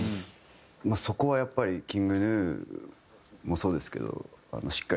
そこはやっぱりＫｉｎｇＧｎｕもそうですけど。